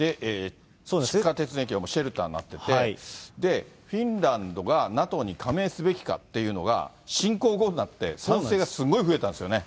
地下鉄の駅はシェルターになってて、フィンランドがＮＡＴＯに加盟すべきかっていうのが、侵攻後になって、賛成がすごい増えたんですよね。